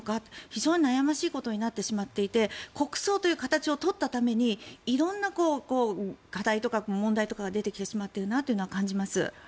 非常に悩ましいことになってしまっていて国葬という形を取ったために色んな課題とか問題とかが出てきてしまっているというのを感じます。